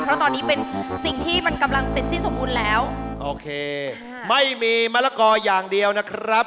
เพราะตอนนี้เป็นสิ่งที่มันกำลังเสร็จสิ้นสมบูรณ์แล้วโอเคไม่มีมะละกออย่างเดียวนะครับ